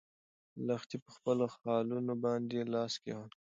لښتې په خپلو خالونو باندې لاس کېښود.